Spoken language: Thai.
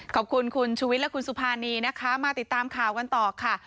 ขอบคุณคุณชูวิทย์และคุณสุภานีนะคะมาติดตามข่าวกันต่อค่ะ